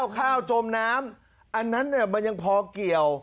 ข้าวจมน้ำอันนั้นมันยังพอเกี่ยว